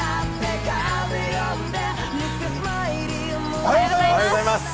おはようございます。